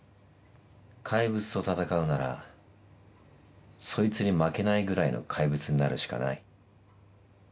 怪物と戦うならそいつに負けないぐらいの怪物になるしかない。